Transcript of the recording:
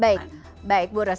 baik baik burus